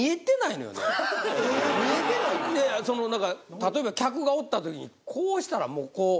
例えば客がおった時にこうしたらもうこう。